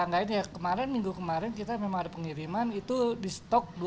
ngelainya kemarin minggu kemarin kita memang ada pengiriman itu di stok dua ribu dua puluh